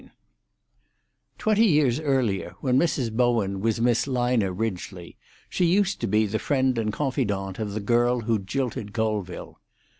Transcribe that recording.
III Twenty years earlier, when Mrs. Bowen was Miss Lina Ridgely, she used to be the friend and confidante of the girl who jilted Colville.